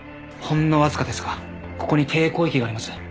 ほんのわずかですがここに低エコー域があります。